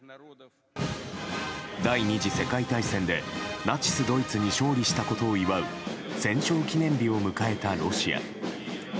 第２次世界大戦でナチスドイツに勝利したことを祝う戦勝記念日を迎えたロシア。